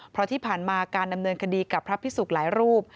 เพราะที่ผ่านมาการดำเนินคดีกับพระพิสุกหลายรูป